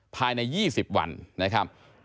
ภายใน๒๐วันนะครับ